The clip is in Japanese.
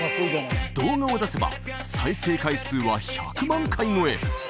動画を出せば再生回数は１００万回超え！